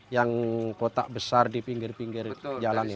yang kotak besar di pinggir pinggir jalan itu